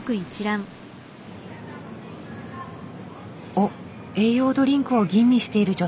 おっ栄養ドリンクを吟味している女性。